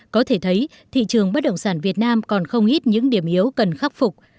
có thể thấy thị trường bất động sản việt nam còn không ít những điểm yếu cần khắc phục